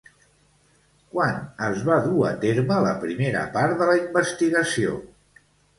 Quan es va dur a terme la primera part de la investigació?